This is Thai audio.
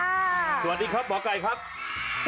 สวัสดีค่ะมชกาล